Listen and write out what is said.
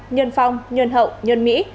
nhơn phong nhơn hậu nhơn mỹ